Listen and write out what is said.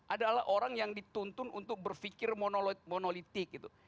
adalah orang yang dituntun untuk berpikir monolita